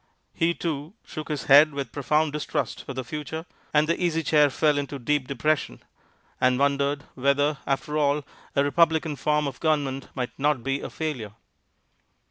He, too, shook his head with profound distrust of the future; and the Easy Chair fell into deep depression, and wondered whether, after all, a republican form of government might not be a failure.